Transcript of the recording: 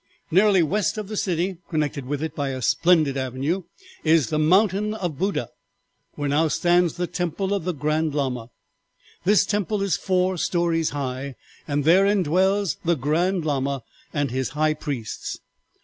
"'Nearly west of the city, connected with it by a splendid avenue, is the mountain of Buddha, where now stands the temple of the Grand Lama. This temple is four stories high, and therein dwells the Grand Lama and his High Priests.